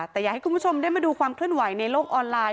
แต่อยากให้คุณผู้ชมได้มาดูความเคลื่อนไหวในโลกออนไลน์